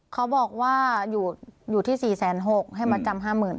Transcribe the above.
เขาบอกว่าอยู่ที่๔๖๐๐ให้มาจำ๕๐๐๐